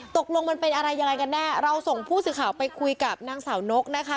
ตกลงมันเป็นอะไรยังไงกันแน่เราส่งผู้สื่อข่าวไปคุยกับนางสาวนกนะคะ